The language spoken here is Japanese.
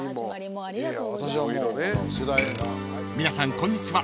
［皆さんこんにちは